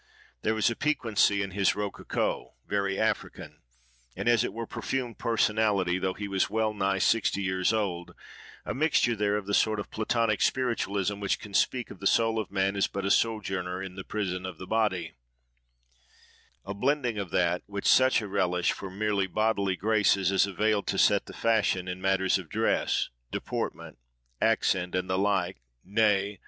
There was a piquancy in his rococo, very African, and as it were perfumed personality, though he was now well nigh sixty years old, a mixture there of that sort of Platonic spiritualism which can speak of the soul of man as but a sojourner in the prison of the body—a blending of that with such a relish for merely bodily graces as availed to set the fashion in matters of dress, deportment, accent, and the like, nay!